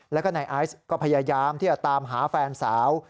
แล้วก็นายไอซ์ก็พยายามที่จะตามหาแฟนสาว